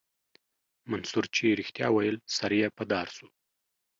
منصور چې رښتيا ويل سر يې په دار سو.